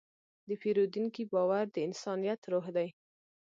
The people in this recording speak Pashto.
د پیرودونکي باور د انسانیت روح دی.